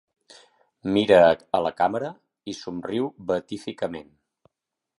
Mira a la càmera i somriu beatíficament.